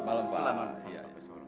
selamat malam pak